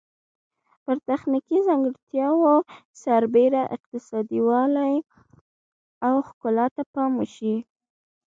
پر تخنیکي ځانګړتیاوو سربیره اقتصادي والی او ښکلا ته پام وشي.